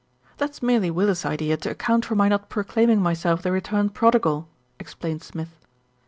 "That's merely Willis' idea to account for my not proclaiming myself the returned prodigal," explained Smith.